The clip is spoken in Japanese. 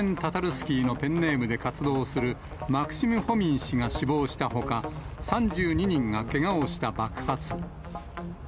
スキーのペンネームで活動する、マクシム・フォミン氏が死亡したほか、３２人がけがをした爆発。